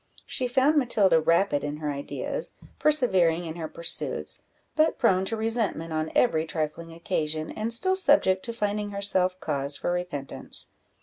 She found Matilda rapid in her ideas, persevering in her pursuits, but prone to resentment on every trifling occasion, and still subject to finding herself cause for repentance.